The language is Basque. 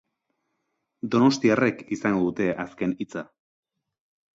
Donostiarrek izango dute azken hitza.